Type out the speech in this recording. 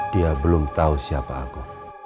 dia belum tahu siapa aku